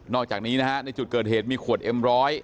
อกจากนี้นะฮะในจุดเกิดเหตุมีขวดเอ็มร้อย